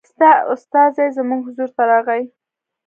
ستا استازی زموږ حضور ته راغی.